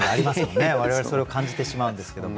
我々それを感じてしまうんですけども。